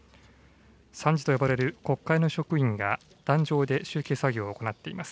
参事と呼ばれる国会の職員が壇上で集計作業を行っています。